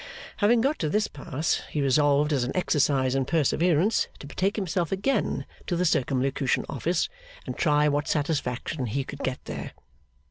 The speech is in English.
Having got to this pass, he resolved as an exercise in perseverance, to betake himself again to the Circumlocution Office, and try what satisfaction he could get there.